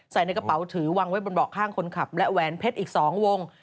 ในกระเป๋าถือวางไว้บนเบาะข้างคนขับและแหวนเพชรอีก๒วง